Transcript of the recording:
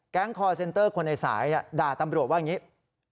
คอร์เซ็นเตอร์คนในสายด่าตำรวจว่าอย่างนี้